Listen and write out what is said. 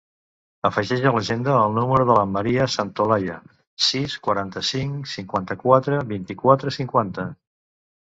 Afegeix a l'agenda el número de la Maria Santolaya: sis, quaranta-cinc, cinquanta-quatre, vint-i-quatre, cinquanta.